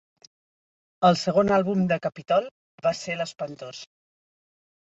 El segon àlbum de Capitol va ser l'espantós...